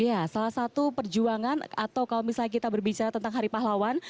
ya salah satu perjuangan atau kalau misalnya kita berbicara tentang hari pahlawan